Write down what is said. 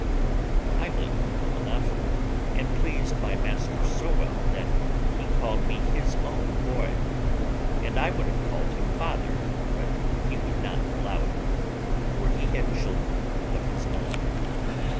I lived well enough, and pleased my master so well that he called me his own boy; and I would have called him father, but he would not allow it, for he had children of his own.